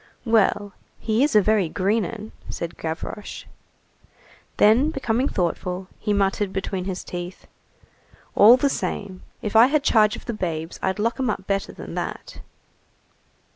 "Well, he is a very green 'un," said Gavroche. Then, becoming thoughtful, he muttered between his teeth:— "All the same, if I had charge of the babes I'd lock 'em up better than that."